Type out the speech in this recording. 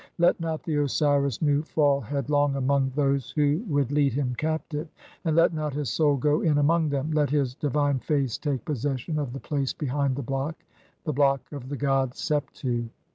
Let not the Osiris Nu fall "headlong (1 1) among those who would lead him captive, and "let not [his] soul go in among them. Let his divine face take "possession of the place behind the block, the block of the god "Septu."